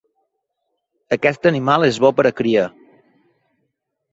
Aquest animal és bo per a cria.